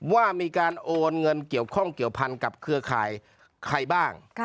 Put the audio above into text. ว่ามีการโอนเงินเกี่ยวข้องเกี่ยวพันกับเครือข่ายใครบ้าง